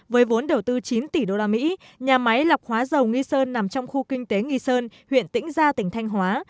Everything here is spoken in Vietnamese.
với vốn đầu tư chín tỷ usd nhà máy lọc hóa dầu nghi sơn nằm trong khu kinh tế nghi sơn huyện tĩnh gia tỉnh thanh hóa